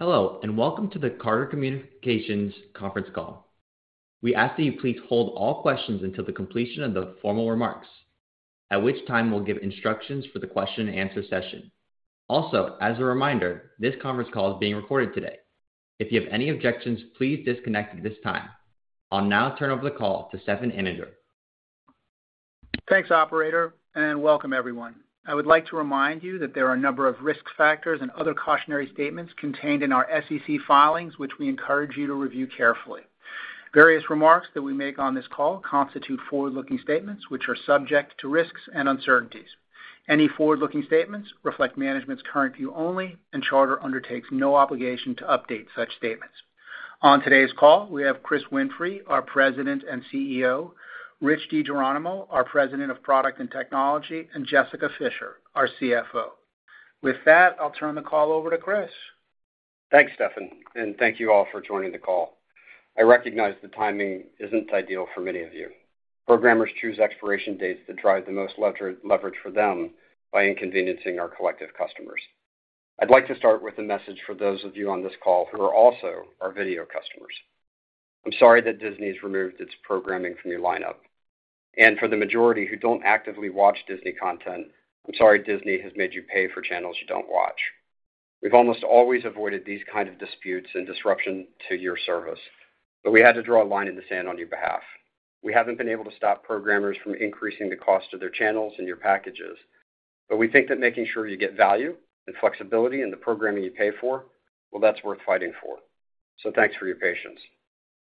Hello, and welcome to the Charter Communications conference call. We ask that you please hold all questions until the completion of the formal remarks, at which time we'll give instructions for the question-and-answer session. Also, as a reminder, this conference call is being recorded today. If you have any objections, please disconnect at this time. I'll now turn over the call to Stefan Anninger. Thanks, operator, and welcome everyone. I would like to remind you that there are a number of risk factors and other cautionary statements contained in our SEC filings, which we encourage you to review carefully. Various remarks that we make on this call constitute forward-looking statements, which are subject to risks and uncertainties. Any forward-looking statements reflect management's current view only, and Charter undertakes no obligation to update such statements. On today's call, we have Chris Winfrey, our President and CEO, Rich DiGeronimo, our President of Product and Technology, and Jessica Fischer, our CFO. With that, I'll turn the call over to Chris. Thanks, Stefan, and thank you all for joining the call. I recognize the timing isn't ideal for many of you. Programmers choose expiration dates that drive the most leverage, leverage for them by inconveniencing our collective customers. I'd like to start with a message for those of you on this call who are also our video customers. I'm sorry that Disney's removed its programming from your lineup, and for the majority who don't actively watch Disney content, I'm sorry Disney has made you pay for channels you don't watch. We've almost always avoided these kind of disputes and disruption to your service, but we had to draw a line in the sand on your behalf. We haven't been able to stop programmers from increasing the cost of their channels and your packages, but we think that making sure you get value and flexibility in the programming you pay for, well, that's worth fighting for. So thanks for your patience.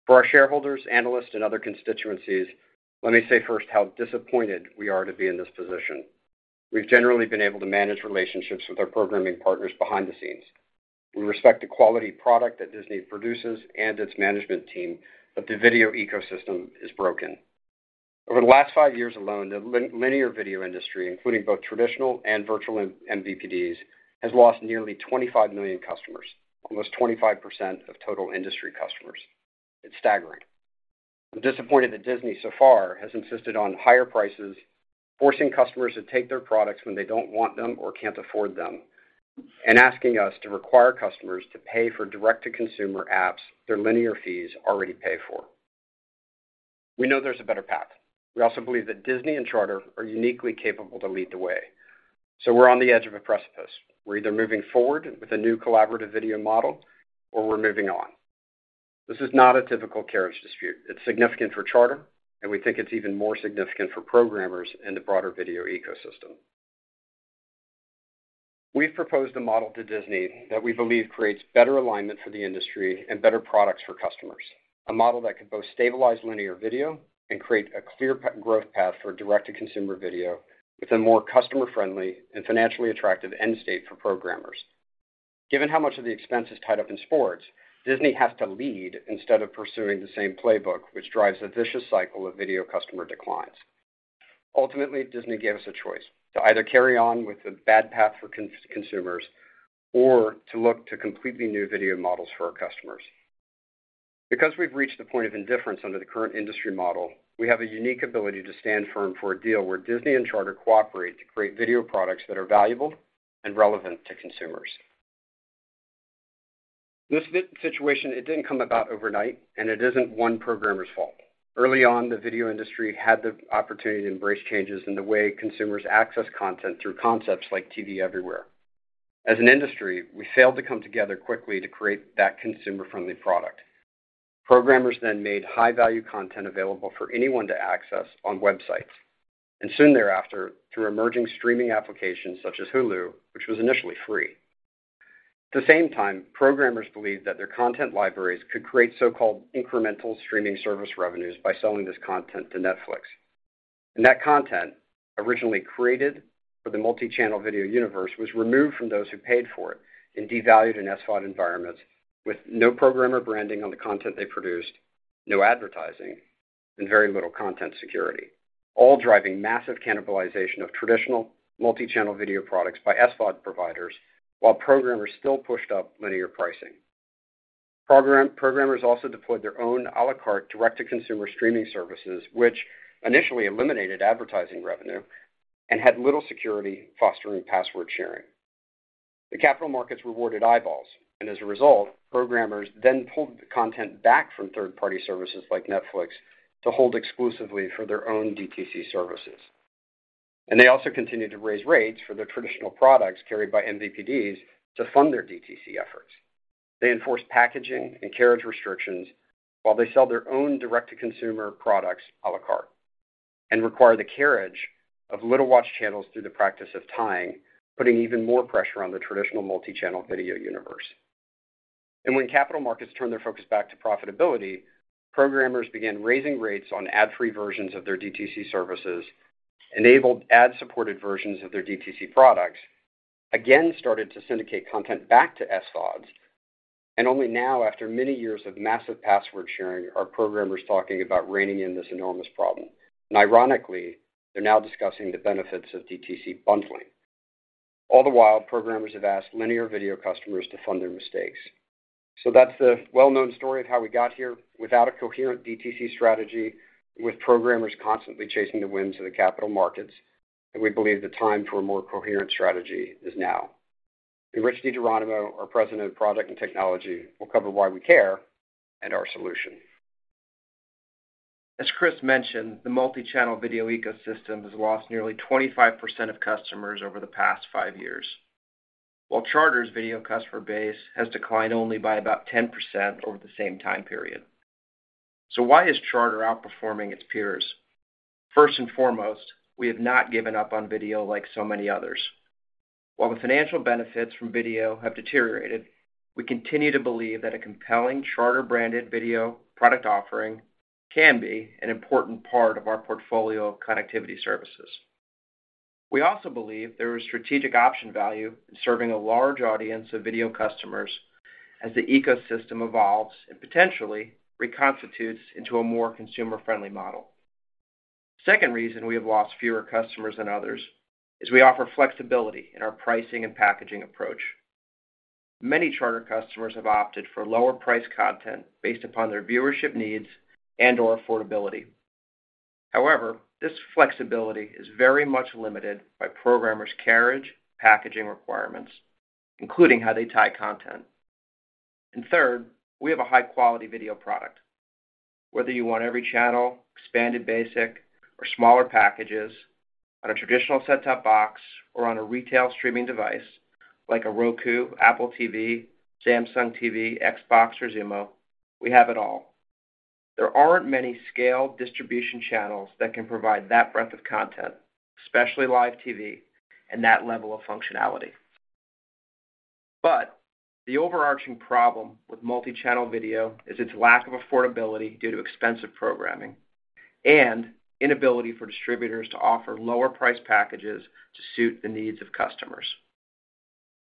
For our shareholders, analysts, and other constituencies, let me say first how disappointed we are to be in this position. We've generally been able to manage relationships with our programming partners behind the scenes. We respect the quality product that Disney produces and its management team, but the video ecosystem is broken. Over the last five years alone, the linear video industry, including both traditional and virtual MVPDs, has lost nearly 25 million customers, almost 25% of total industry customers. It's staggering. I'm disappointed that Disney so far has insisted on higher prices, forcing customers to take their products when they don't want them or can't afford them, and asking us to require customers to pay for direct-to-consumer apps their linear fees already pay for. We know there's a better path. We also believe that Disney and Charter are uniquely capable to lead the way, so we're on the edge of a precipice. We're either moving forward with a new collaborative video model or we're moving on. This is not a typical carriage dispute. It's significant for Charter, and we think it's even more significant for programmers and the broader video ecosystem. We've proposed a model to Disney that we believe creates better alignment for the industry and better products for customers. A model that could both stabilize linear video and create a clear growth path for direct-to-consumer video, with a more customer-friendly and financially attractive end state for programmers. Given how much of the expense is tied up in sports, Disney has to lead instead of pursuing the same playbook, which drives a vicious cycle of video customer declines. Ultimately, Disney gave us a choice: to either carry on with the bad path for consumers or to look to completely new video models for our customers. Because we've reached a point of indifference under the current industry model, we have a unique ability to stand firm for a deal where Disney and Charter cooperate to create video products that are valuable and relevant to consumers. This situation, it didn't come about overnight, and it isn't one programmer's fault. Early on, the video industry had the opportunity to embrace changes in the way consumers access content through concepts like TV Everywhere. As an industry, we failed to come together quickly to create that consumer-friendly product. Programmers then made high-value content available for anyone to access on websites, and soon thereafter, through emerging streaming applications such as Hulu, which was initially free. At the same time, programmers believed that their content libraries could create so-called incremental streaming service revenues by selling this content to Netflix. That content, originally created for the multi-channel video universe, was removed from those who paid for it and devalued in SVOD environments with no programmer branding on the content they produced, no advertising, and very little content security, all driving massive cannibalization of traditional multi-channel video products by SVOD providers, while programmers still pushed up linear pricing. Programmers also deployed their own a la carte direct-to-consumer streaming services, which initially eliminated advertising revenue and had little security, fostering password sharing. The capital markets rewarded eyeballs, and as a result, programmers then pulled the content back from third-party services like Netflix to hold exclusively for their own DTC services. They also continued to raise rates for their traditional products carried by MVPDs to fund their DTC efforts. They enforced packaging and carriage restrictions while they sell their own direct-to-consumer products a la carte and require the carriage of little-watched channels through the practice of tying, putting even more pressure on the traditional multi-channel video universe. When capital markets turned their focus back to profitability, programmers began raising rates on ad-free versions of their DTC services, enabled ad-supported versions of their DTC products, again started to syndicate content back to SVODs, and only now, after many years of massive password sharing, are programmers talking about reining in this enormous problem. Ironically, they're now discussing the benefits of DTC bundling. All the while, programmers have asked linear video customers to fund their mistakes. So that's the well-known story of how we got here without a coherent DTC strategy, with programmers constantly chasing the winds of the capital markets, and we believe the time for a more coherent strategy is now. Rich DiGeronimo, our President of Product and Technology, will cover why we care and our solution. As Chris mentioned, the multi-channel video ecosystem has lost nearly 25% of customers over the past five years, while Charter's video customer base has declined only by about 10% over the same time period. So why is Charter outperforming its peers? First and foremost, we have not given up on video like so many others. While the financial benefits from video have deteriorated, we continue to believe that a compelling Charter-branded video product offering can be an important part of our portfolio of connectivity services. We also believe there is strategic option value in serving a large audience of video customers as the ecosystem evolves and potentially reconstitutes into a more consumer-friendly model. Second reason we have lost fewer customers than others is we offer flexibility in our pricing and packaging approach. Many Charter customers have opted for lower-priced content based upon their viewership needs and/or affordability. However, this flexibility is very much limited by programmers' carriage packaging requirements, including how they tie content. Third, we have a high-quality video product. Whether you want every channel, Expanded Basic or smaller packages on a traditional set-top box or on a retail streaming device like a Roku, Apple TV, Samsung TV, Xbox, or Xumo, we have it all. There aren't many scaled distribution channels that can provide that breadth of content, especially live TV, and that level of functionality. But the overarching problem with multi-channel video is its lack of affordability due to expensive programming and inability for distributors to offer lower-priced packages to suit the needs of customers.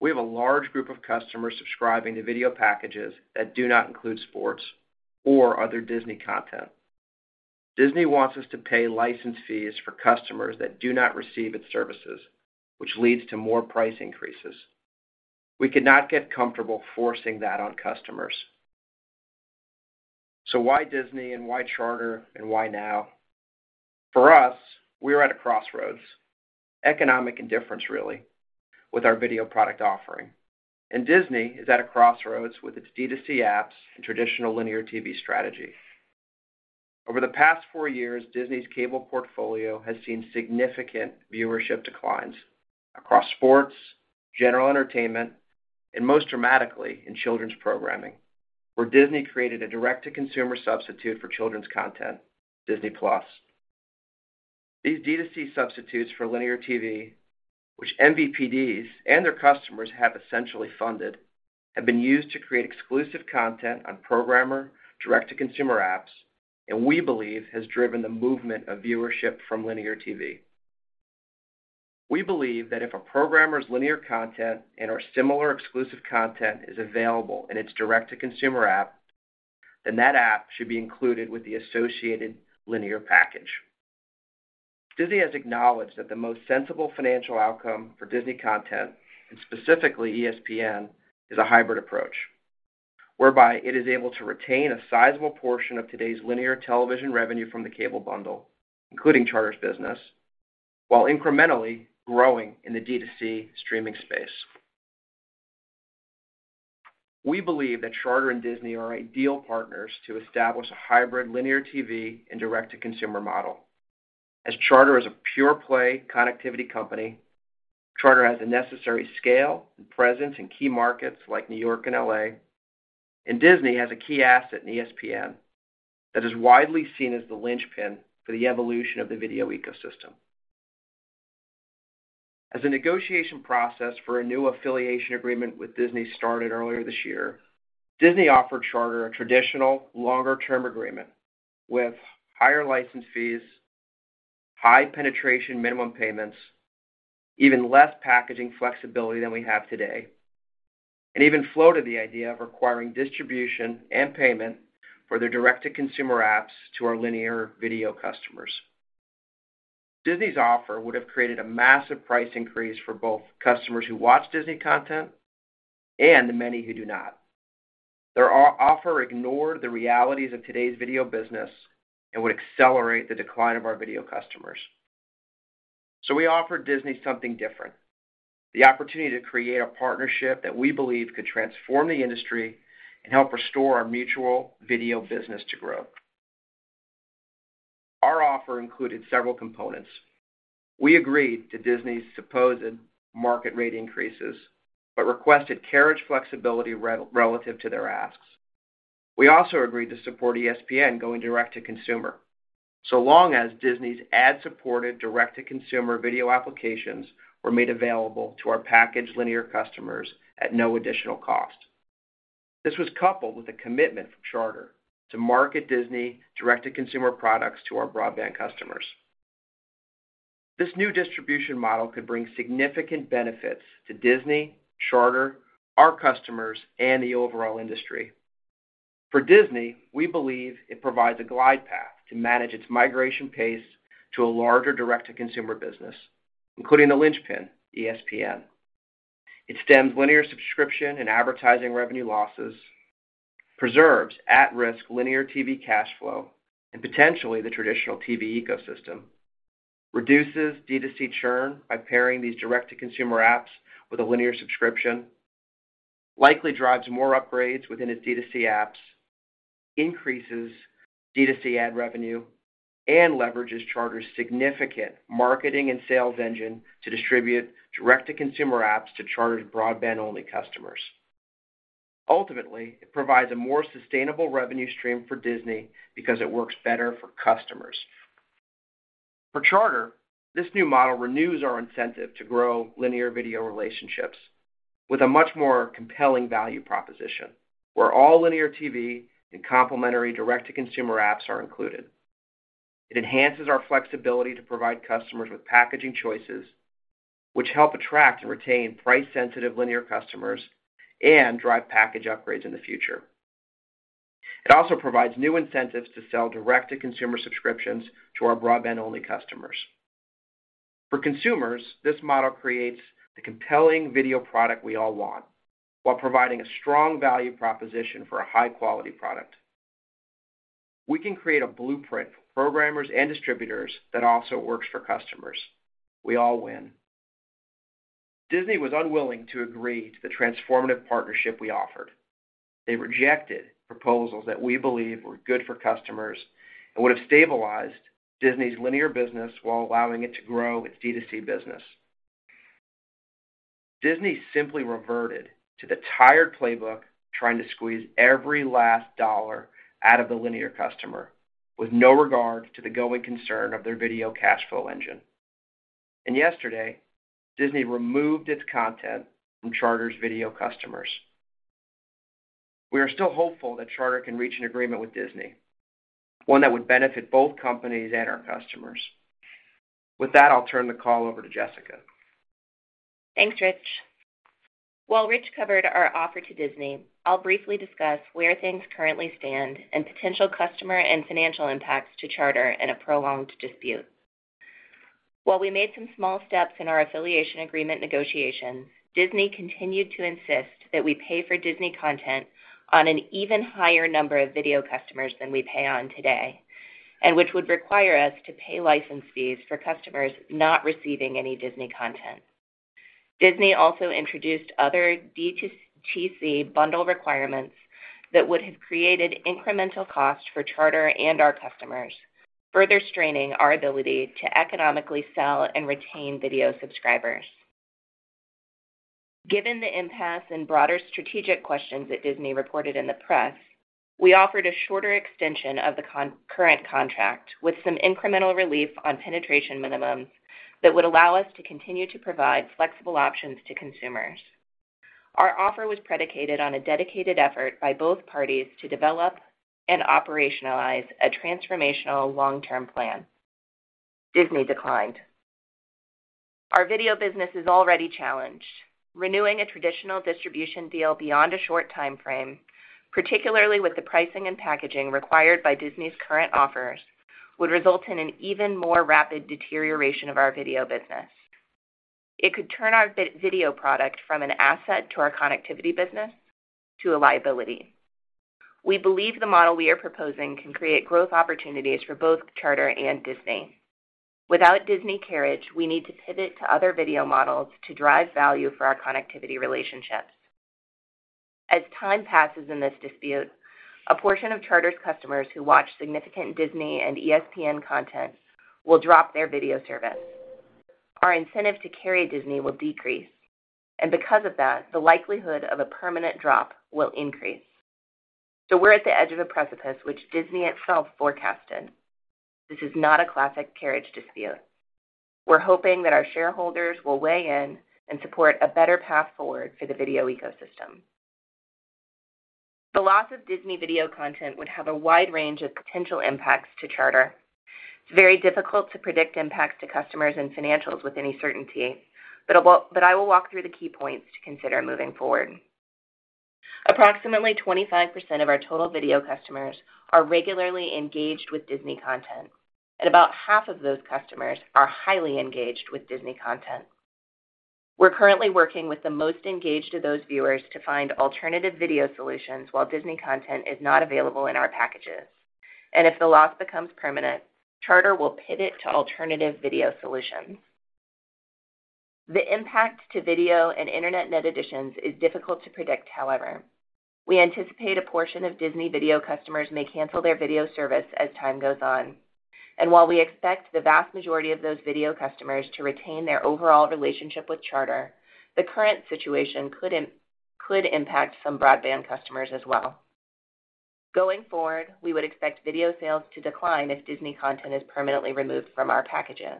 We have a large group of customers subscribing to video packages that do not include sports or other Disney content. Disney wants us to pay license fees for customers that do not receive its services, which leads to more price increases. We cannot get comfortable forcing that on customers. So why Disney, and why Charter, and why now? For us, we are at a crossroads, economic indifference, really, with our video product offering. And Disney is at a crossroads with its D2C apps and traditional linear TV strategy. Over the past four years, Disney's cable portfolio has seen significant viewership declines across sports, general entertainment, and most dramatically in children's programming, where Disney created a direct-to-consumer substitute for children's content, Disney+. These D2C substitutes for linear TV, which MVPDs and their customers have essentially funded, have been used to create exclusive content on programmer direct-to-consumer apps, and we believe has driven the movement of viewership from linear TV. We believe that if a programmer's linear content and/or similar exclusive content is available in its direct-to-consumer app, then that app should be included with the associated linear package. Disney has acknowledged that the most sensible financial outcome for Disney content, and specifically ESPN, is a hybrid approach, whereby it is able to retain a sizable portion of today's linear television revenue from the cable bundle, including Charter's business, while incrementally growing in the D2C streaming space. We believe that Charter and Disney are ideal partners to establish a hybrid linear TV and direct-to-consumer model. As Charter is a pure-play connectivity company, Charter has the necessary scale and presence in key markets like New York and L.A., and Disney has a key asset in ESPN that is widely seen as the linchpin for the evolution of the video ecosystem. As the negotiation process for a new affiliation agreement with Disney started earlier this year, Disney offered Charter a traditional longer-term agreement with higher license fees, high penetration minimum payments, even less packaging flexibility than we have today, and even floated the idea of requiring distribution and payment for their direct-to-consumer apps to our linear video customers. Disney's offer would have created a massive price increase for both customers who watch Disney content and the many who do not. Their offer ignored the realities of today's video business and would accelerate the decline of our video customers. So we offered Disney something different, the opportunity to create a partnership that we believe could transform the industry and help restore our mutual video business to growth. Our offer included several components. We agreed to Disney's supposed market rate increases, but requested carriage flexibility relative to their asks. We also agreed to support ESPN going direct to consumer, so long as Disney's ad-supported, direct-to-consumer video applications were made available to our packaged linear customers at no additional cost. This was coupled with a commitment from Charter to market Disney direct-to-consumer products to our broadband customers. This new distribution model could bring significant benefits to Disney, Charter, our customers, and the overall industry... For Disney, we believe it provides a glide path to manage its migration pace to a larger direct-to-consumer business, including the linchpin, ESPN. It stems linear subscription and advertising revenue losses, preserves at-risk linear TV cash flow, and potentially the traditional TV ecosystem, reduces D2C churn by pairing these direct-to-consumer apps with a linear subscription, likely drives more upgrades within its D2C apps, increases D2C ad revenue, and leverages Charter's significant marketing and sales engine to distribute direct-to-consumer apps to Charter's broadband-only customers. Ultimately, it provides a more sustainable revenue stream for Disney because it works better for customers. For Charter, this new model renews our incentive to grow linear video relationships with a much more compelling value proposition, where all linear TV and complementary direct-to-consumer apps are included. It enhances our flexibility to provide customers with packaging choices, which help attract and retain price-sensitive linear customers and drive package upgrades in the future. It also provides new incentives to sell direct-to-consumer subscriptions to our broadband-only customers. For consumers, this model creates the compelling video product we all want, while providing a strong value proposition for a high-quality product. We can create a blueprint for programmers and distributors that also works for customers. We all win. Disney was unwilling to agree to the transformative partnership we offered. They rejected proposals that we believe were good for customers and would have stabilized Disney's linear business while allowing it to grow its D2C business. Disney simply reverted to the tired playbook, trying to squeeze every last dollar out of the linear customer with no regard to the going concern of their video cash flow engine. And yesterday, Disney removed its content from Charter's video customers. We are still hopeful that Charter can reach an agreement with Disney, one that would benefit both companies and our customers. With that, I'll turn the call over to Jessica. Thanks, Rich. While Rich covered our offer to Disney, I'll briefly discuss where things currently stand and potential customer and financial impacts to Charter in a prolonged dispute. While we made some small steps in our affiliation agreement negotiation, Disney continued to insist that we pay for Disney content on an even higher number of video customers than we pay on today, and which would require us to pay license fees for customers not receiving any Disney content. Disney also introduced other D2C bundle requirements that would have created incremental costs for Charter and our customers, further straining our ability to economically sell and retain video subscribers. Given the impasse and broader strategic questions that Disney reported in the press, we offered a shorter extension of the current contract with some incremental relief on penetration minimums that would allow us to continue to provide flexible options to consumers. Our offer was predicated on a dedicated effort by both parties to develop and operationalize a transformational long-term plan. Disney declined. Our video business is already challenged. Renewing a traditional distribution deal beyond a short time frame, particularly with the pricing and packaging required by Disney's current offers, would result in an even more rapid deterioration of our video business. It could turn our video product from an asset to our connectivity business to a liability. We believe the model we are proposing can create growth opportunities for both Charter and Disney. Without Disney carriage, we need to pivot to other video models to drive value for our connectivity relationships. As time passes in this dispute, a portion of Charter's customers who watch significant Disney and ESPN content will drop their video service. Our incentive to carry Disney will decrease, and because of that, the likelihood of a permanent drop will increase. So we're at the edge of a precipice, which Disney itself forecasted. This is not a classic carriage dispute. We're hoping that our shareholders will weigh in and support a better path forward for the video ecosystem. The loss of Disney video content would have a wide range of potential impacts to Charter. It's very difficult to predict impacts to customers and financials with any certainty, but I will walk through the key points to consider moving forward. Approximately 25% of our total video customers are regularly engaged with Disney content, and about half of those customers are highly engaged with Disney content. We're currently working with the most engaged of those viewers to find alternative video solutions while Disney content is not available in our packages, and if the loss becomes permanent, Charter will pivot to alternative video solutions. The impact to video and internet net additions is difficult to predict, however. We anticipate a portion of Disney video customers may cancel their video service as time goes on. While we expect the vast majority of those video customers to retain their overall relationship with Charter, the current situation could impact some broadband customers as well. Going forward, we would expect video sales to decline if Disney content is permanently removed from our packages.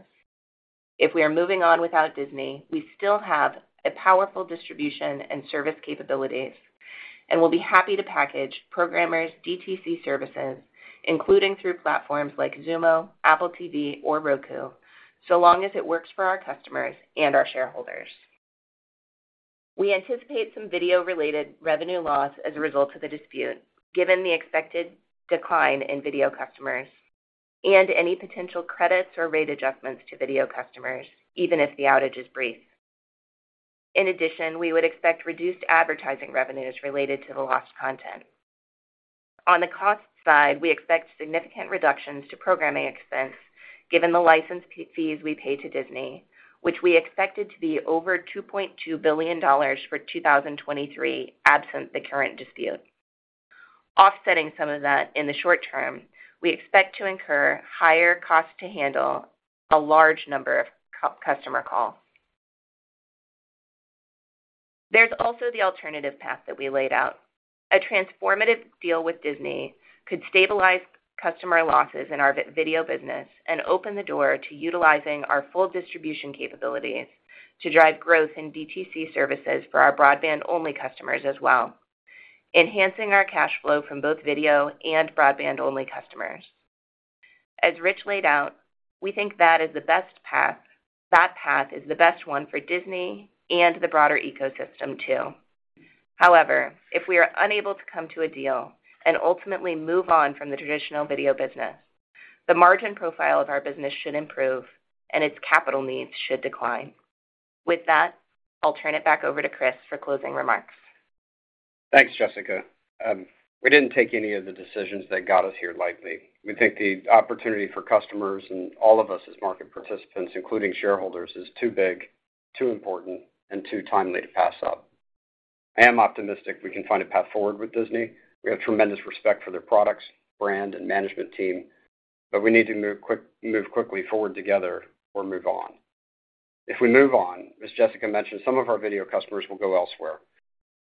If we are moving on without Disney, we still have a powerful distribution and service capabilities, and we'll be happy to package programmers' DTC services, including through platforms like Xumo, Apple TV, or Roku, so long as it works for our customers and our shareholders. We anticipate some video-related revenue loss as a result of the dispute, given the expected decline in video customers and any potential credits or rate adjustments to video customers, even if the outage is brief. In addition, we would expect reduced advertising revenues related to the lost content. On the cost side, we expect significant reductions to programming expense given the license fees we pay to Disney, which we expected to be over $2.2 billion for 2023, absent the current dispute. Offsetting some of that, in the short term, we expect to incur higher costs to handle a large number of customer calls. There's also the alternative path that we laid out. A transformative deal with Disney could stabilize customer losses in our video business and open the door to utilizing our full distribution capabilities to drive growth in DTC services for our broadband-only customers as well, enhancing our cash flow from both video and broadband-only customers. As Rich laid out, we think that is the best path. That path is the best one for Disney and the broader ecosystem, too. However, if we are unable to come to a deal and ultimately move on from the traditional video business, the margin profile of our business should improve and its capital needs should decline. With that, I'll turn it back over to Chris for closing remarks. Thanks, Jessica. We didn't take any of the decisions that got us here lightly. We think the opportunity for customers and all of us as market participants, including shareholders, is too big, too important, and too timely to pass up. I am optimistic we can find a path forward with Disney. We have tremendous respect for their products, brand, and management team, but we need to move quickly forward together or move on. If we move on, as Jessica mentioned, some of our video customers will go elsewhere,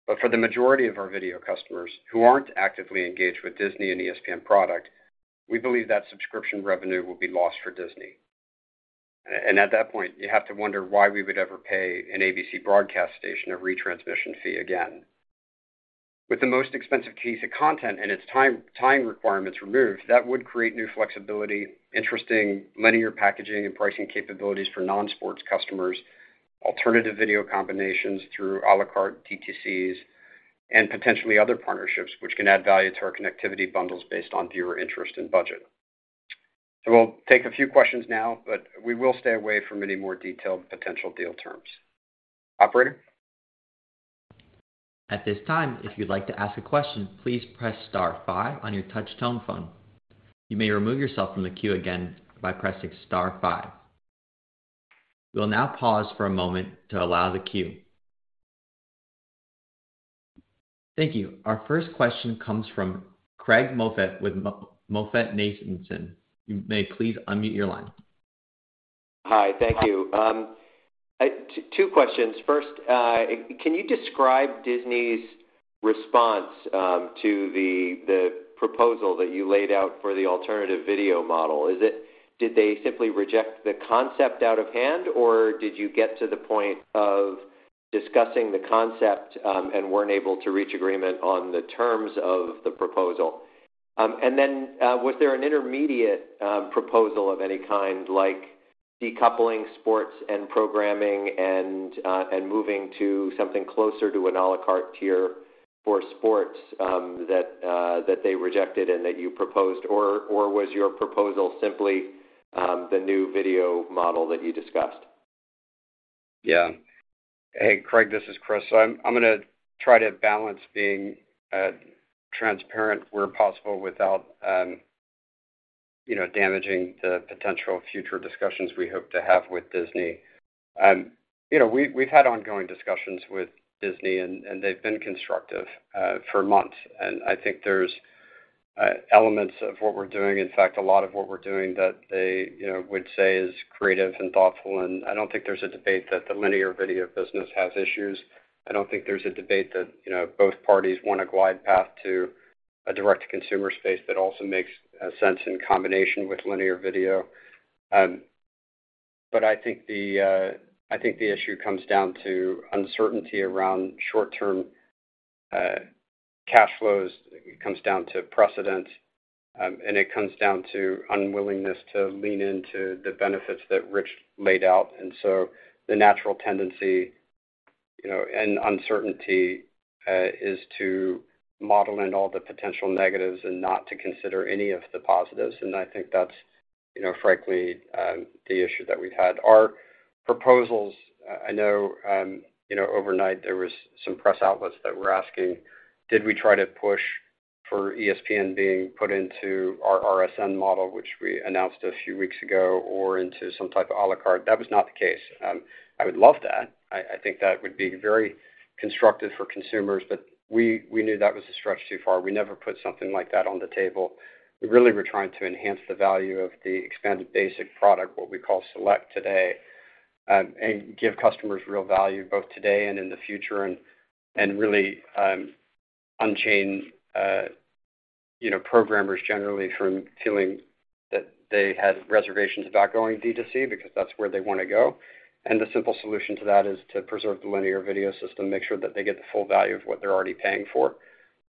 but for the majority of our video customers who aren't actively engaged with Disney and ESPN product, we believe that subscription revenue will be lost for Disney. And at that point, you have to wonder why we would ever pay an ABC broadcast station a retransmission fee again. With the most expensive piece of content and its time requirements removed, that would create new flexibility, interesting linear packaging and pricing capabilities for non-sports customers, alternative video combinations through a la carte DTCs, and potentially other partnerships which can add value to our connectivity bundles based on viewer interest and budget. So we'll take a few questions now, but we will stay away from any more detailed potential deal terms. Operator? At this time, if you'd like to ask a question, please press star five on your touch tone phone. You may remove yourself from the queue again by pressing star five. We'll now pause for a moment to allow the queue. Thank you. Our first question comes from Craig Moffett with MoffettNathanson. You may please unmute your line. Hi, thank you. Two questions. First, can you describe Disney's response to the proposal that you laid out for the alternative video model? Did they simply reject the concept out of hand, or did you get to the point of discussing the concept and weren't able to reach agreement on the terms of the proposal? And then, was there an intermediate proposal of any kind, like decoupling sports and programming and moving to something closer to an a la carte tier for sports that they rejected and that you proposed, or was your proposal simply the new video model that you discussed? Yeah. Hey, Craig, this is Chris. So I'm, I'm gonna try to balance being transparent where possible without you know, damaging the potential future discussions we hope to have with Disney. You know, we've, we've had ongoing discussions with Disney, and, and they've been constructive for months, and I think there's elements of what we're doing, in fact, a lot of what we're doing, that they you know, would say is creative and thoughtful. And I don't think there's a debate that the linear video business has issues. I don't think there's a debate that, you know, both parties want a glide path to a direct-to-consumer space that also makes sense in combination with linear video. But I think the, I think the issue comes down to uncertainty around short-term, cash flows, it comes down to precedent, and it comes down to unwillingness to lean into the benefits that Rich laid out. And so the natural tendency, you know, and uncertainty, is to model in all the potential negatives and not to consider any of the positives. And I think that's, you know, frankly, the issue that we've had. Our proposals, I know, you know, overnight there was some press outlets that were asking, did we try to push for ESPN being put into our RSN model, which we announced a few weeks ago, or into some type of à la carte? That was not the case. I would love that. I think that would be very constructive for consumers, but we knew that was a stretch too far. We never put something like that on the table. We really were trying to enhance the value of the expanded basic product, what we call Select today, and give customers real value both today and in the future, and really unchain you know, programmers generally from feeling that they had reservations about going D2C, because that's where they want to go. And the simple solution to that is to preserve the linear video system, make sure that they get the full value of what they're already paying for.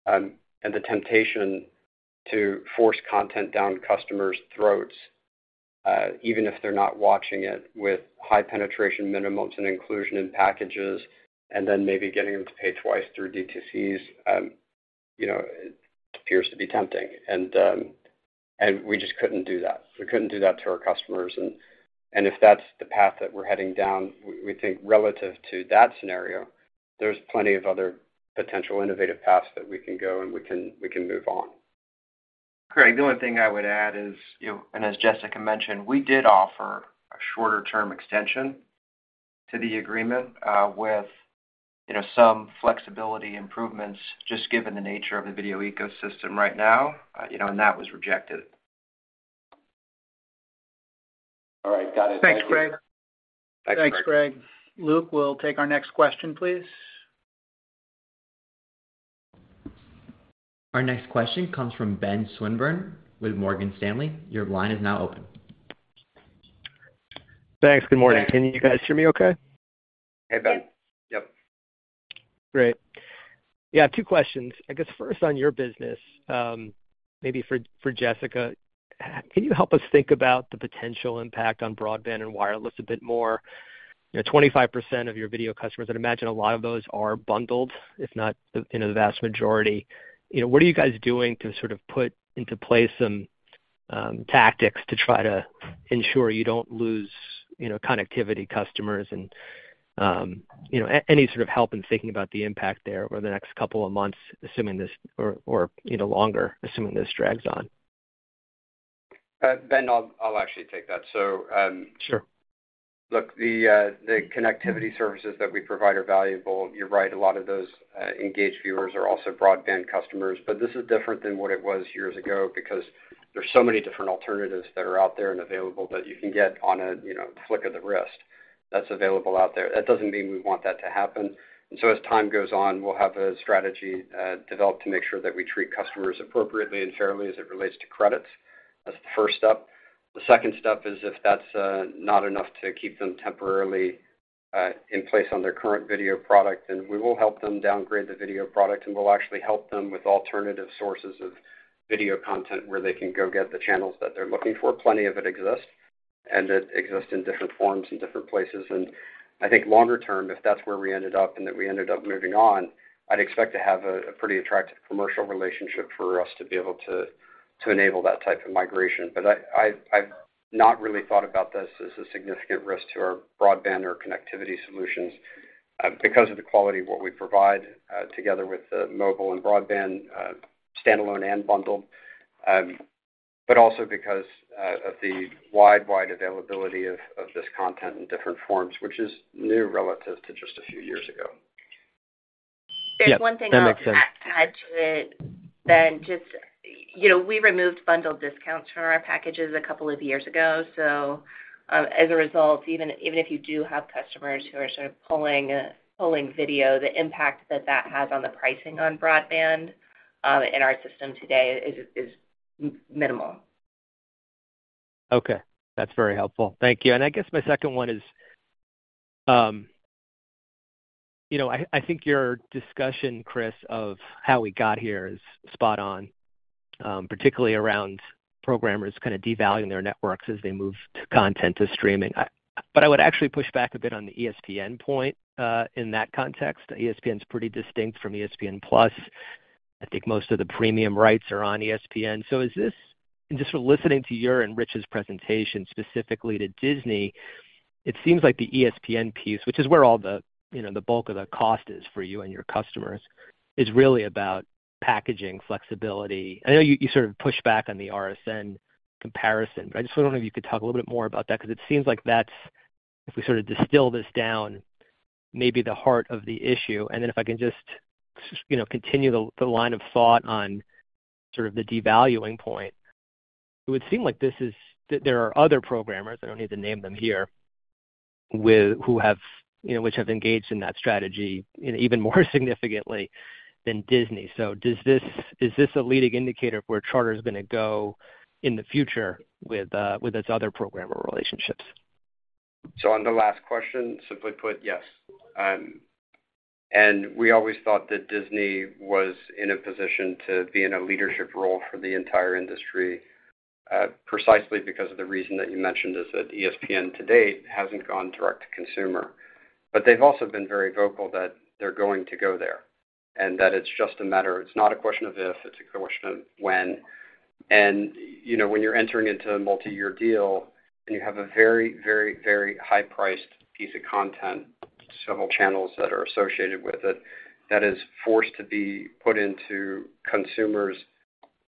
And the temptation to force content down customers' throats... Even if they're not watching it with high penetration minimums and inclusion in packages, and then maybe getting them to pay twice through DTCs, you know, it appears to be tempting, and we just couldn't do that. We couldn't do that to our customers, and if that's the path that we're heading down, we think relative to that scenario, there's plenty of other potential innovative paths that we can go and we can move on. Craig, the only thing I would add is, you know, and as Jessica mentioned, we did offer a shorter-term extension to the agreement, with, you know, some flexibility improvements, just given the nature of the video ecosystem right now, and that was rejected. All right, got it. Thanks, Craig. Thanks, Craig. Thanks, Craig. Luke, we'll take our next question, please. Our next question comes from Ben Swinburne with Morgan Stanley. Your line is now open. Thanks. Good morning. Can you guys hear me okay? Hey, Ben. Yep. Great. Yeah, two questions. I guess first on your business, maybe for Jessica. Can you help us think about the potential impact on broadband and wireless a bit more? You know, 25% of your video customers, I'd imagine a lot of those are bundled, if not the, you know, the vast majority. You know, what are you guys doing to sort of put into place some tactics to try to ensure you don't lose, you know, connectivity customers and, you know, any sort of help in thinking about the impact there over the next couple of months, assuming this, or, you know, longer, assuming this drags on? Ben, I'll actually take that. Sure. Look, the connectivity services that we provide are valuable. You're right, a lot of those engaged viewers are also broadband customers, but this is different than what it was years ago because there's so many different alternatives that are out there and available that you can get on a, you know, flick of the wrist that's available out there. That doesn't mean we want that to happen. And so as time goes on, we'll have a strategy developed to make sure that we treat customers appropriately and fairly as it relates to credits. That's the first step. The second step is if that's not enough to keep them temporarily in place on their current video product, then we will help them downgrade the video product, and we'll actually help them with alternative sources of video content where they can go get the channels that they're looking for. Plenty of it exists, and it exists in different forms and different places. And I think longer term, if that's where we ended up and that we ended up moving on, I'd expect to have a pretty attractive commercial relationship for us to be able to enable that type of migration. But I've not really thought about this as a significant risk to our broadband or connectivity solutions, because of the quality of what we provide, together with the mobile and broadband, standalone and bundled, but also because of the wide availability of this content in different forms, which is new relative to just a few years ago. Yeah, that makes sense. There's one thing I'll add to it, Ben, just, you know, we removed bundled discounts from our packages a couple of years ago. So, as a result, even, even if you do have customers who are sort of pulling, pulling video, the impact that that has on the pricing on broadband, in our system today is, is minimal. Okay. That's very helpful. Thank you. And I guess my second one is, you know, I, I think your discussion, Chris, of how we got here is spot on, particularly around programmers kind of devaluing their networks as they move to content to streaming. But I would actually push back a bit on the ESPN point. In that context, ESPN's pretty distinct from ESPN+. I think most of the premium rights are on ESPN. Just from listening to your and Rich's presentation, specifically to Disney, it seems like the ESPN piece, which is where all the, you know, the bulk of the cost is for you and your customers, is really about packaging flexibility. I know you, you sort of pushed back on the RSN comparison, but I just wonder if you could talk a little bit more about that, because it seems like that's, if we sort of distill this down, maybe the heart of the issue. And then if I can just, you know, continue the, the line of thought on sort of the devaluing point, it would seem like this is, that there are other programmers, I don't need to name them here, with, who have, you know, which have engaged in that strategy, and even more significantly than Disney. So, does this, is this a leading indicator of where Charter is gonna go in the future with its other programmer relationships? So on the last question, simply put, yes. And we always thought that Disney was in a position to be in a leadership role for the entire industry, precisely because of the reason that you mentioned is that ESPN to date, hasn't gone direct to consumer. But they've also been very vocal that they're going to go there, and that it's just a matter. It's not a question of if, it's a question of when. And, you know, when you're entering into a multi-year deal and you have a very, very, very high-priced piece of content, several channels that are associated with it, that is forced to be put into consumers,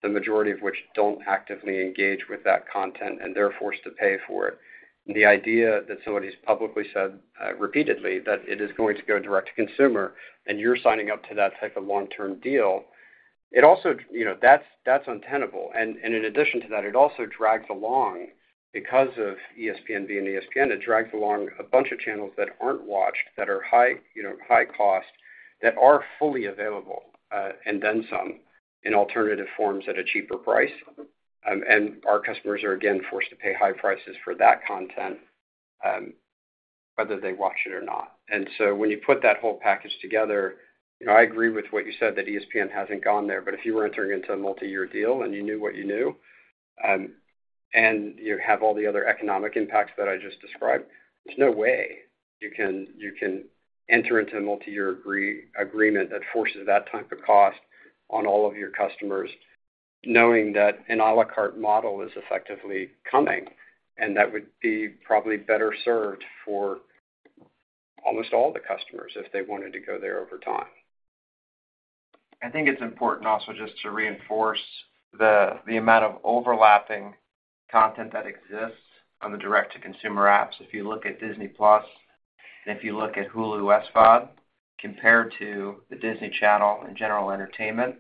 the majority of which don't actively engage with that content, and they're forced to pay for it. The idea that somebody's publicly said repeatedly that it is going to go direct to consumer, and you're signing up to that type of long-term deal, it also... You know, that's, that's untenable. And, and in addition to that, it also drags along because of ESPN+ and ESPN, it drags along a bunch of channels that aren't watched, that are high, you know, high cost, that are fully available, and then some, in alternative forms at a cheaper price. And our customers are again, forced to pay high prices for that content, whether they watch it or not. And so when you put that whole package together, you know, I agree with what you said, that ESPN hasn't gone there. But if you were entering into a multi-year deal and you knew what you knew, and you have all the other economic impacts that I just described, there's no way you can enter into a multi-year agreement that forces that type of cost on all of your customers, knowing that an à la carte model is effectively coming, and that would be probably better served for almost all the customers if they wanted to go there over time. I think it's important also just to reinforce the amount of overlapping content that exists on the direct-to-consumer apps. If you look at Disney+, and if you look at Hulu SVOD, compared to the Disney Channel and general entertainment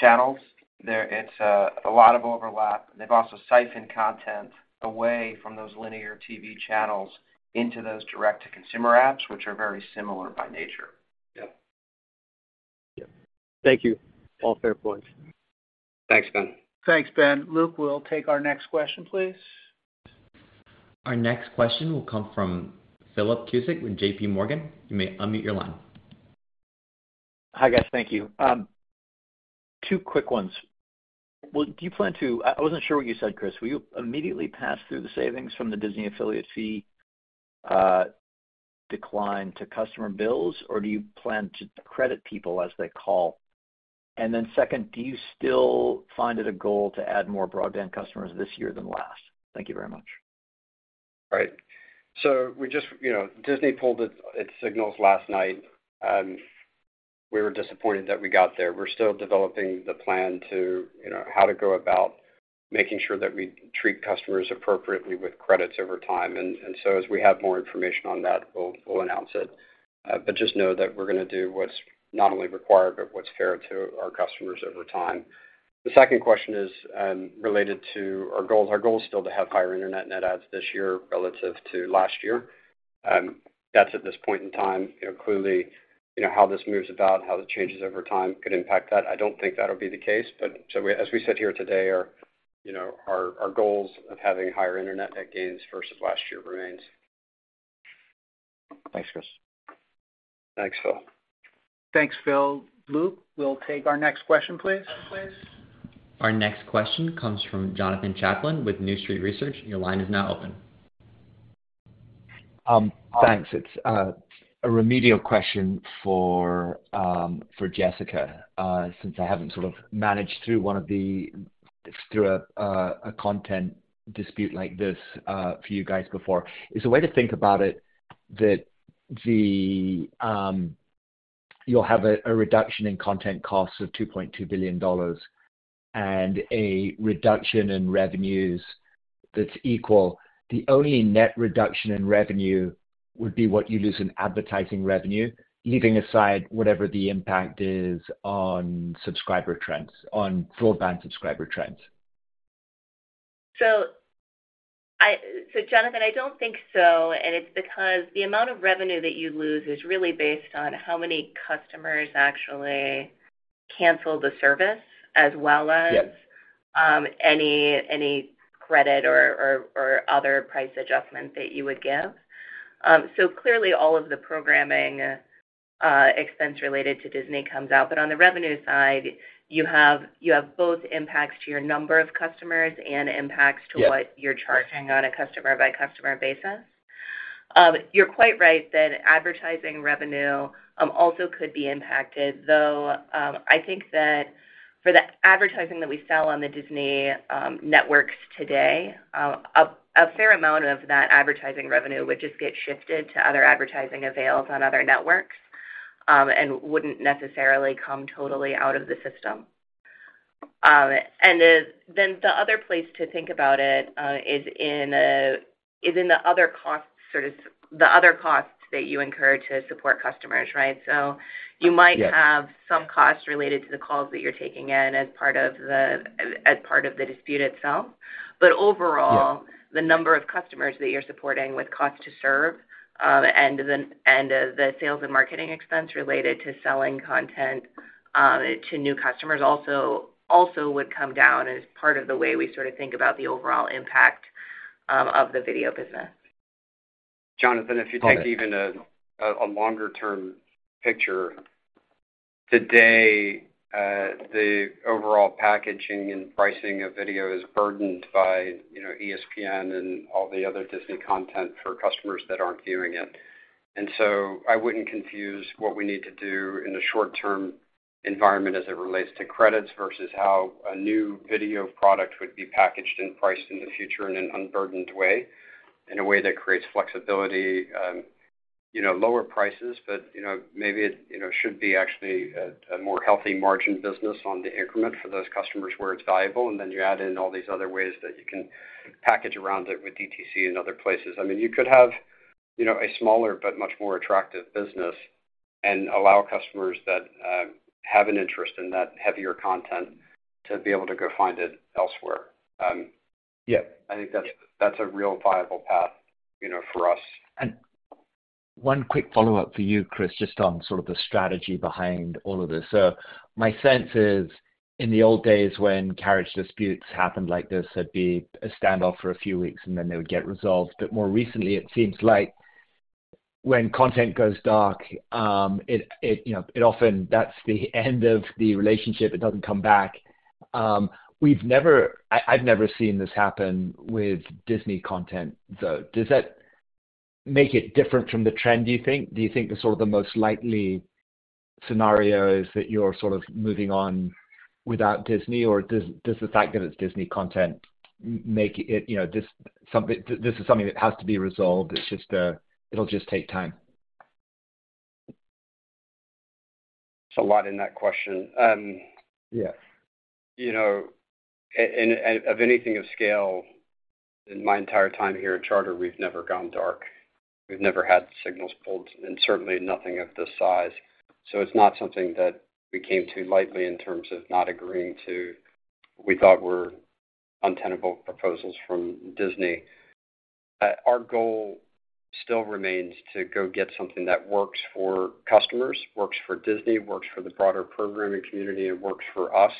channels, there's a lot of overlap. They've also siphoned content away from those linear TV channels into those direct-to-consumer apps, which are very similar by nature. Yep. Yep. Thank you. All fair points. Thanks, Ben. Thanks, Ben. Luke, we'll take our next question, please. Our next question will come from Philip Cusick with JPMorgan. You may unmute your line. Hi, guys. Thank you. Two quick ones. Well, do you plan to... I wasn't sure what you said, Chris. Will you immediately pass through the savings from the Disney affiliate fee, decline to customer bills, or do you plan to credit people as they call? And then second, do you still find it a goal to add more broadband customers this year than last? Thank you very much. Right. So we just, you know, Disney pulled its signals last night. We were disappointed that we got there. We're still developing the plan to, you know, how to go about making sure that we treat customers appropriately with credits over time. And so as we have more information on that, we'll announce it. But just know that we're gonna do what's not only required, but what's fair to our customers over time. The second question is related to our goals. Our goal is still to have higher internet net adds this year relative to last year. That's at this point in time, you know, clearly, you know, how this moves about, how it changes over time could impact that. I don't think that'll be the case, but so as we sit here today, our, you know, goals of having higher internet net gains versus last year remains. Thanks, Chris. Thanks, Phil. Thanks, Phil. Luke, we'll take our next question, please. Our next question comes from Jonathan Chaplin with New Street Research. Your line is now open. Thanks. It's a remedial question for Jessica, since I haven't sort of managed through a content dispute like this, for you guys before. Is a way to think about it that the you'll have a reduction in content costs of $2.2 billion and a reduction in revenues that's equal. The only net reduction in revenue would be what you lose in advertising revenue, leaving aside whatever the impact is on subscriber trends, on broadband subscriber trends. So, Jonathan, I don't think so, and it's because the amount of revenue that you lose is really based on how many customers actually cancel the service, as well as- Yes. ...any credit or other price adjustments that you would give. So clearly, all of the programming expense related to Disney comes out. But on the revenue side, you have both impacts to your number of customers and impacts to what- Yes ...you're charging on a customer-by-customer basis. You're quite right that advertising revenue also could be impacted, though, I think that for the advertising that we sell on the Disney networks today, a fair amount of that advertising revenue would just get shifted to other advertising avails on other networks, and wouldn't necessarily come totally out of the system. And then the other place to think about it is in the other costs, sort of, the other costs that you incur to support customers, right? So you might- Yes... have some costs related to the calls that you're taking in as part of the dispute itself. But overall- Yeah ...the number of customers that you're supporting with cost to serve, and the sales and marketing expense related to selling content to new customers also would come down as part of the way we sort of think about the overall impact of the video business. Jonathan, if you take even a longer-term picture, today, the overall packaging and pricing of video is burdened by, you know, ESPN and all the other Disney content for customers that aren't viewing it. And so I wouldn't confuse what we need to do in a short-term environment as it relates to credits versus how a new video product would be packaged and priced in the future in an unburdened way, in a way that creates flexibility, you know, lower prices. But, you know, maybe it, you know, should be actually a more healthy margin business on the increment for those customers where it's valuable, and then you add in all these other ways that you can package around it with DTC and other places. I mean, you could have, you know, a smaller but much more attractive business and allow customers that have an interest in that heavier content to be able to go find it elsewhere. Yeah. I think that's a real viable path, you know, for us. One quick follow-up for you, Chris, just on sort of the strategy behind all of this. So my sense is, in the old days, when carriage disputes happened like this, there'd be a standoff for a few weeks, and then they would get resolved. But more recently, it seems like when content goes dark, you know, it often that's the end of the relationship, it doesn't come back. We've never—I've never seen this happen with Disney content, though. Does that make it different from the trend, do you think? Do you think the sort of the most likely scenario is that you're sort of moving on without Disney, or does the fact that it's Disney content make it, you know, this is something that has to be resolved. It's just, it'll just take time. There's a lot in that question. Yeah. You know, and of anything of scale, in my entire time here at Charter, we've never gone dark. We've never had signals pulled, and certainly nothing of this size. So it's not something that we came to lightly in terms of not agreeing to what we thought were untenable proposals from Disney. Our goal still remains to go get something that works for customers, works for Disney, works for the broader programming community, and works for us.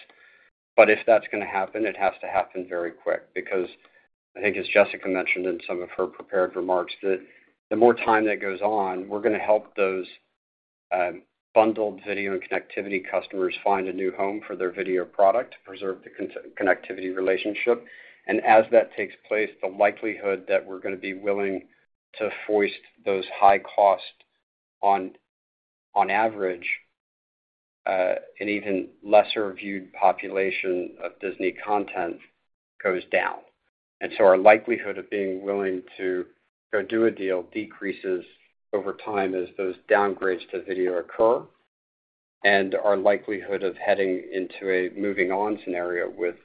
But if that's gonna happen, it has to happen very quick, because I think, as Jessica mentioned in some of her prepared remarks, that the more time that goes on, we're gonna help those bundled video and connectivity customers find a new home for their video product, preserve the connectivity relationship. And as that takes place, the likelihood that we're gonna be willing to foist those high costs on average, an even lesser viewed population of Disney content goes down. And so our likelihood of being willing to go do a deal decreases over time as those downgrades to video occur, and our likelihood of heading into a moving on scenario with,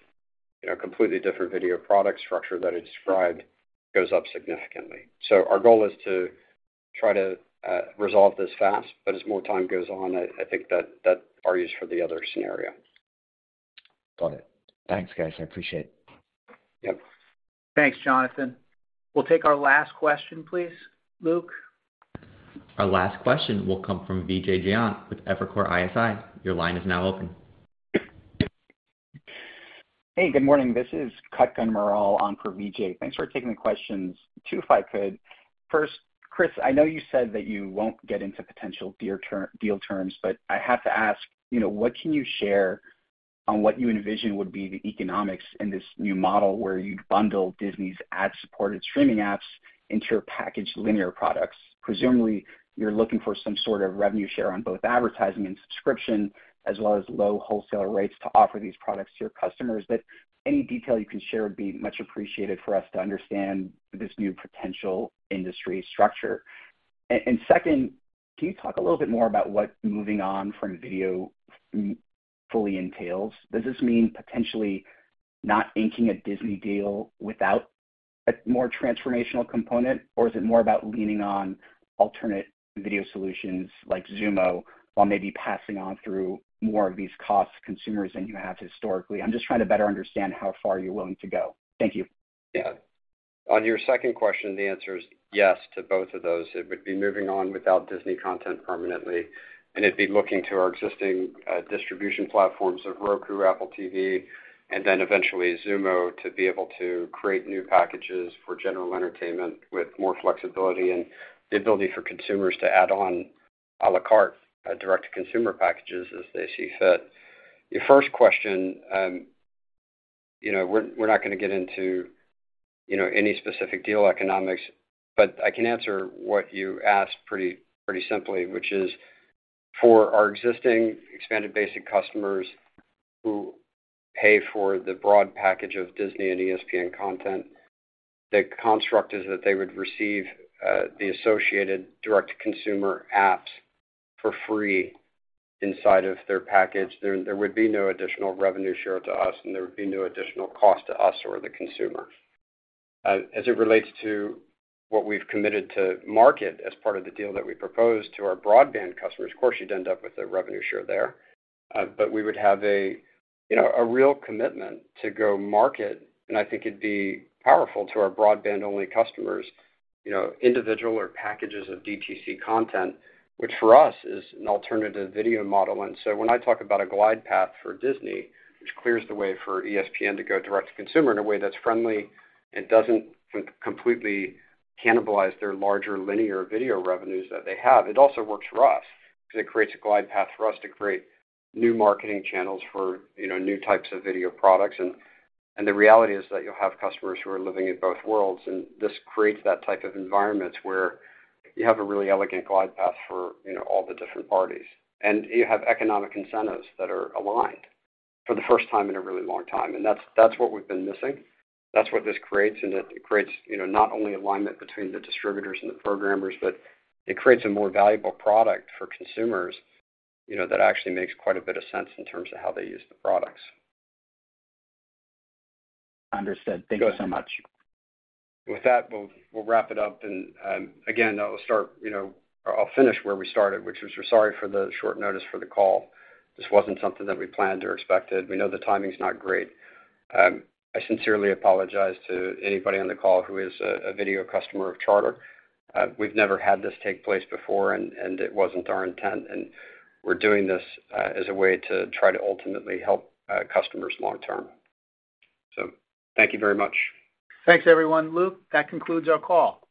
you know, completely different video product structure that I described goes up significantly. So our goal is to try to resolve this fast, but as more time goes on, I think that that argues for the other scenario. Got it. Thanks, guys. I appreciate it. Yep. Thanks, Jonathan. We'll take our last question, please, Luke. Our last question will come from Vijay Jayant with Evercore ISI. Your line is now open. Hey, good morning. This is Kutgun Maral on for Vijay. Thanks for taking the questions. Two, if I could. First, Chris, I know you said that you won't get into potential deal terms, but I have to ask, you know, what can you share on what you envision would be the economics in this new model, where you'd bundle Disney's ad-supported streaming apps into your packaged linear products? Presumably, you're looking for some sort of revenue share on both advertising and subscription, as well as low wholesaler rates to offer these products to your customers. But any detail you can share would be much appreciated for us to understand this new potential industry structure. And second, can you talk a little bit more about what moving on from video fully entails? Does this mean potentially not inking a Disney deal without a more transformational component, or is it more about leaning on alternate video solutions like Xumo, while maybe passing on through more of these costs to consumers than you have historically? I'm just trying to better understand how far you're willing to go. Thank you. Yeah. On your second question, the answer is yes to both of those. It would be moving on without Disney content permanently, and it'd be looking to our existing distribution platforms of Roku, Apple TV, and then eventually Xumo, to be able to create new packages for general entertainment with more flexibility and the ability for consumers to add on à la carte, direct-to-consumer packages, as they see fit. Your first question, you know, we're, we're not gonna get into, you know, any specific deal economics, but I can answer what you asked pretty, pretty simply, which is, for our existing expanded basic customers who pay for the broad package of Disney and ESPN content, the construct is that they would receive the associated direct-to-consumer apps for free inside of their package. There would be no additional revenue share to us, and there would be no additional cost to us or the consumer. As it relates to what we've committed to market as part of the deal that we proposed to our broadband customers, of course, you'd end up with a revenue share there. But we would have, you know, a real commitment to go market, and I think it'd be powerful to our broadband-only customers, you know, individual or packages of DTC content, which for us is an alternative video model. And so when I talk about a glide path for Disney, which clears the way for ESPN to go direct to consumer in a way that's friendly and doesn't completely cannibalize their larger linear video revenues that they have, it also works for us because it creates a glide path for us to create new marketing channels for, you know, new types of video products. And, and the reality is that you'll have customers who are living in both worlds, and this creates that type of environment where you have a really elegant glide path for, you know, all the different parties. And you have economic incentives that are aligned for the first time in a really long time, and that's, that's what we've been missing. That's what this creates, and it creates, you know, not only alignment between the distributors and the programmers, but it creates a more valuable product for consumers, you know, that actually makes quite a bit of sense in terms of how they use the products. Understood. Go ahead. Thank you so much. With that, we'll wrap it up. And, again, I'll finish where we started, which is we're sorry for the short notice for the call. This wasn't something that we planned or expected. We know the timing's not great. I sincerely apologize to anybody on the call who is a video customer of Charter. We've never had this take place before, and it wasn't our intent, and we're doing this as a way to try to ultimately help customers long term. So thank you very much. Thanks, everyone. Luke, that concludes our call.